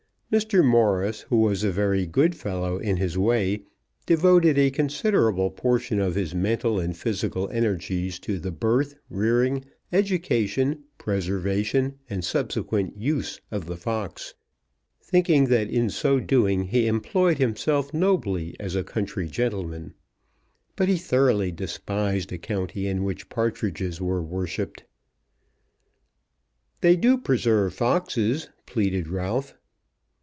Mr. Morris, who was a very good fellow in his way, devoted a considerable portion of his mental and physical energies to the birth, rearing, education, preservation, and subsequent use of the fox, thinking that in so doing he employed himself nobly as a country gentleman; but he thoroughly despised a county in which partridges were worshipped. "They do preserve foxes," pleaded Ralph.